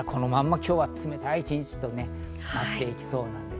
今日は冷たい一日となっていきそうです。